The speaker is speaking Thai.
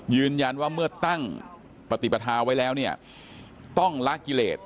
ยืนยันว่าเมื่อตั้งปฏิปทาไว้แล้วเนี่ยต้องละกิเลส